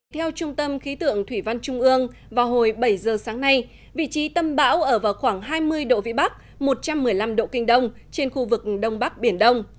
theo trung tâm khí tượng thủy văn trung ương vào hồi bảy giờ sáng nay vị trí tâm bão ở vào khoảng hai mươi độ vĩ bắc một trăm một mươi năm độ kinh đông trên khu vực đông bắc biển đông